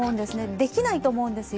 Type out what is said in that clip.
できないと思うんですよ。